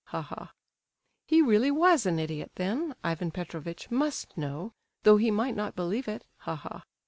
(Ha, ha.) He really was an idiot then, Ivan Petrovitch must know, though he might not believe it. (Ha, ha.)